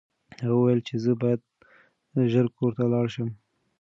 هغه وویل چې زه باید ژر کور ته لاړ شم.